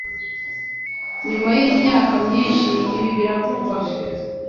nyuma yimyaka myinhi ibi biravugwa